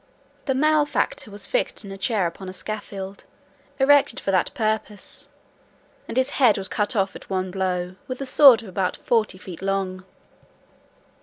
The malefactor was fixed in a chair upon a scaffold erected for that purpose, and his head cut off at one blow, with a sword of about forty feet long.